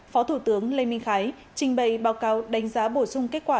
phó thủ tướng lê minh khái trình bày báo cáo đánh giá bổ sung kết quả